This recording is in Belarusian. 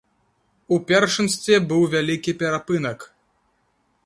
У першынстве быў вялікі перапынак.